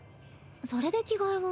それで着替えを。